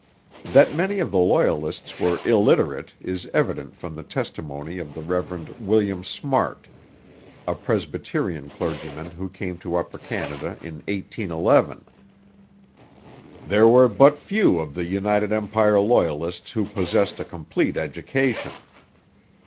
That many of the Loyalists were illiterate is evident from the testimony of the Rev. William Smart, a Presbyterian clergyman who came to Upper Canada in 1811: 'There were but few of the U. E. Loyalists who possessed a complete education.